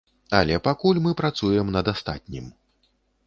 Але пакуль мы працуем над астатнім.